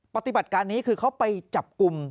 ปฏิบัติการนี้คือเขาไปจับกลุ่ม